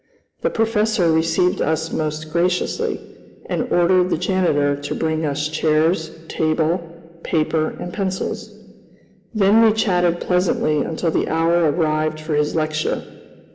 The professor received us most graciously, and ordered the janitor to bring us chairs, table, paper, and pencils. Then we chatted pleasantly until the hour arrived for his lecture.